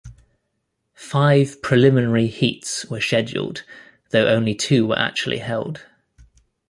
Five preliminary heats were scheduled, though only two were actually held.